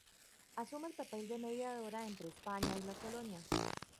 Asume un papel de mediadora entre España y la colonia.